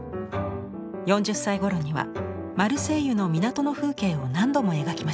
４０歳頃にはマルセイユの港の風景を何度も描きました。